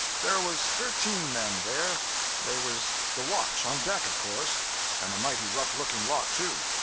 There was thirteen men there they was the watch on deck of course. And a mighty rough looking lot, too.